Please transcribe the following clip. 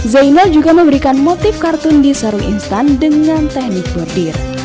zainal juga memberikan motif kartun di sarung instan dengan teknik bordir